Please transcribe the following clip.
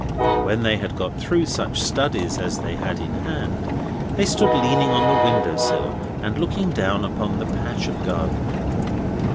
When they had got through such studies as they had in hand, they stood leaning on the window sill, and looking down upon the patch of garden.